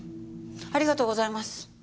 ありがとうございます。